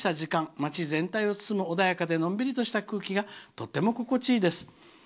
街全体を包む穏やかでのんびりとした空気がとても心地いいです。」